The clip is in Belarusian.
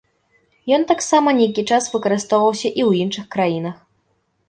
Ён таксама нейкі час выкарыстоўваўся і ў іншых краінах.